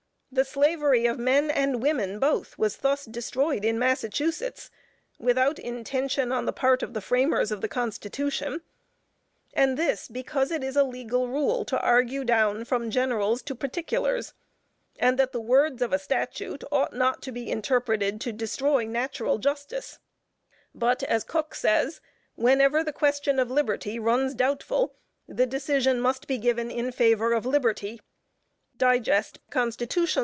The slavery of men and women, both, was thus destroyed in Massachusetts without intention on the part of the framers of the Constitution, and this, because it is a legal rule to argue down from generals to particulars, and that the "words of a statute ought not to be interpreted to destroy natural justice;" but as Coke says, "Whenever the question of liberty runs doubtful, the decision must be given in favor of liberty." _Digest C.L.